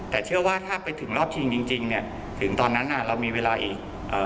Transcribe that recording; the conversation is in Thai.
แต่เชื่อว่าถ้าไปถึงรอบทีมจริงถึงตอนนั้นเรามีเวลาอีก